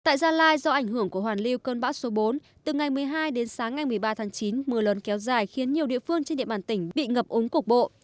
tại gia lai do ảnh hưởng của hoàn lưu cơn bão số bốn từ ngày một mươi hai đến sáng ngày một mươi ba tháng chín mưa lớn kéo dài khiến nhiều địa phương trên địa bàn tỉnh bị ngập ống cục bộ